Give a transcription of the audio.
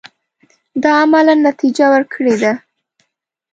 دا عملاً نتیجه ورکړې ده.